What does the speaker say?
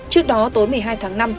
trước đó tối một mươi hai tháng năm